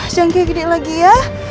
jangkir gede lagi ya